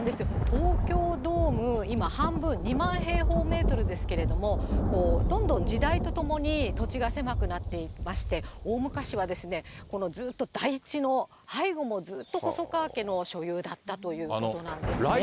東京ドーム、今、半分、２万平方メートルですけれども、どんどん時代とともに土地が狭くなっていきまして、大昔はずっと、台地の背後もずっと細川家の所有だったということなんですね。